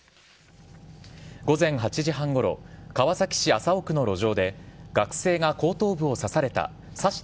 午前８時半ごろ、川崎市麻生区の路上で、学生が後頭部を刺された。